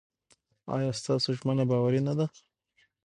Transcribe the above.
ایا ستاسو ژمنه باوري نه ده؟